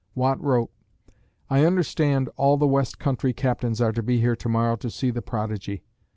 Watt wrote: I understand all the west country captains are to be here tomorrow to see the prodigy.